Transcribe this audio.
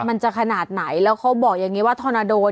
มันจะขนาดไหนแล้วเขาบอกอย่างนี้ว่าธอนาโด